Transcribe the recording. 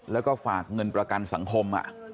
แล้วก็ฝากเงินประกันสังคม